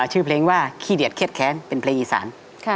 ชื่อเพลงว่าขี้เดียดเครียดแค้นเป็นเพลงอีสาน